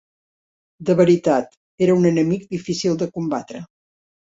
De veritat, era un enemic difícil de combatre.